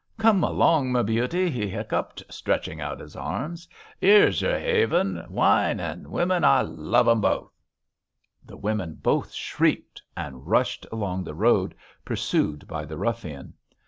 'Come along m' beauty,' he hiccuped, stretching out his arms, 'here's your haven. Wine and women! I love them both.' The women both shrieked, and rushed along the road, pursued by the ruffian.